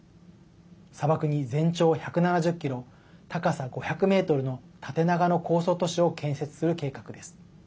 砂漠に、全長１７０ｋｍ高さ５００ｍの縦長の構想都市を建設する計画です。